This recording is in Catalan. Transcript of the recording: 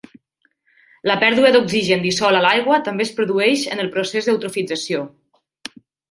La pèrdua de l'oxigen dissolt a l'aigua també es produeix en el procés d'eutrofització.